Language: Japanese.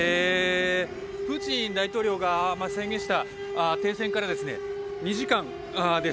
プーチン大統領が宣言した停戦から２時間です。